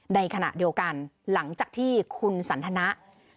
ในขณะเดียวกันหลังจากที่คุณสันทนะ